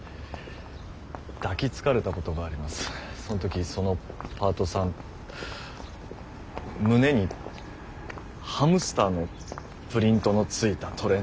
その時そのパートさん胸にハムスターのプリントのついたトレーナーを着てて。